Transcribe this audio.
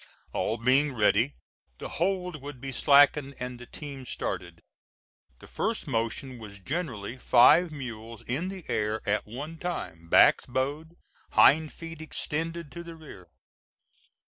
All being ready, the hold would be slackened and the team started. The first motion was generally five mules in the air at one time, backs bowed, hind feet extended to the rear.